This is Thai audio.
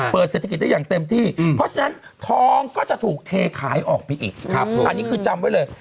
เศรษฐกิจได้อย่างเต็มที่เพราะฉะนั้นทองก็จะถูกเทขายออกไปอีกอันนี้คือจำไว้เลย